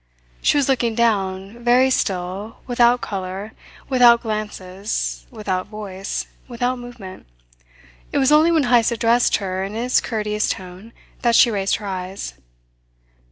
She was looking down, very still, without colour, without glances, without voice, without movement. It was only when Heyst addressed her in his courteous tone that she raised her eyes.